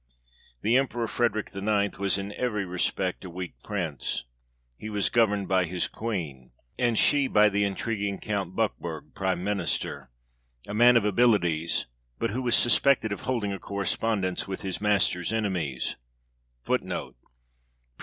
The Emperor Frederic IX. was in every respect a weak Prince ; he was governed by his Queen ; and she by the intriguing Count Buckeburg, 1 Prime Minister, a man of abilities, but who was suspected of holding a corre spondence with his master's enemies.